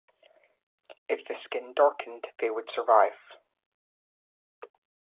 If the skin darkened, they would survive.